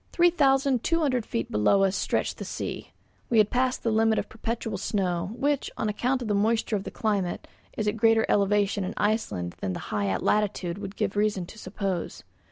Three thousand two hundred feet below us stretched the sea. We had passed the limit of perpetual snow, which, on account of the moisture of the climate, is at a greater elevation in Iceland than the high latitude would give reason to suppose.